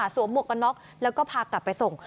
หมวกกันน็อกแล้วก็พากลับไปส่ง